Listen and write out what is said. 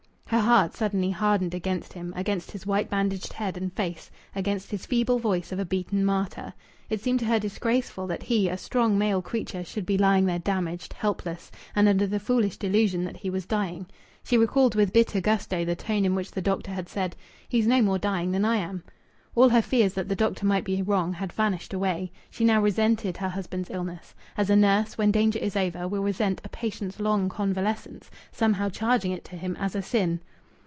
Her heart suddenly hardened against him against his white bandaged head and face, against his feeble voice of a beaten martyr. It seemed to her disgraceful that he, a strong male creature, should be lying there damaged, helpless, and under the foolish delusion that he was dying. She recalled with bitter gusto the tone in which the doctor had said, "He's no more dying than I am!" All her fears that the doctor might be wrong had vanished away. She now resented her husband's illness; as a nurse, when danger is over, will resent a patient's long convalescence, somehow charging it to him as a sin.